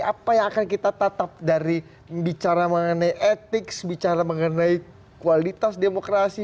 apa yang akan kita tatap dari bicara mengenai etik bicara mengenai kualitas demokrasi